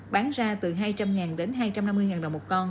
bán ra từ hai trăm linh ngàn đến hai trăm năm mươi ngàn đồng một con